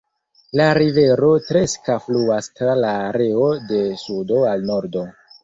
La rivero Treska fluas tra la areo de sudo al nordo.